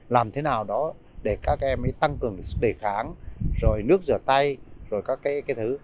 làm thế nào đó để các em ấy tăng cường sức đề kháng rồi nước rửa tay rồi các cái thứ